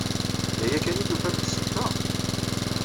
D aya kan i d-tufam d ssebba?